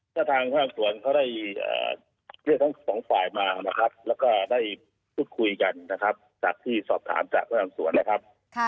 ถ้าทางภาคสวนเขาได้เรียกทั้งสองฝ่ายมานะครับแล้วก็ได้พูดคุยกันนะครับจากที่สอบถามจากพนักงานสวนนะครับ